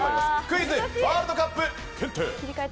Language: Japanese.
クイズワールドカップ検定。